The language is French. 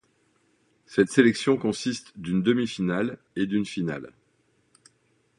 Cette sélection consiste d'une demi-finale et d'une finale.